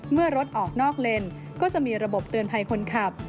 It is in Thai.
เมื่อรถออกนอกเลนก็จะมีระบบเตือนภัยคนขับ